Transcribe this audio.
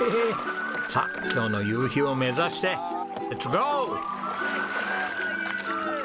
さあ今日の夕日を目指してレッツゴー！